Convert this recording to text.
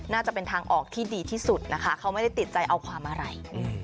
น่าจะเป็นทางออกที่ดีที่สุดนะคะเขาไม่ได้ติดใจเอาความอะไร